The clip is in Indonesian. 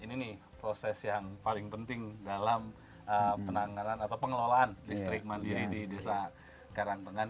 ini proses yang paling penting dalam pengelolaan listrik mandiri di desa karangtengan